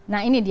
nah ini dia